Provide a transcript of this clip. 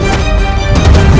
kau akan menang